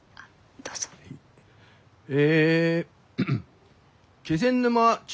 え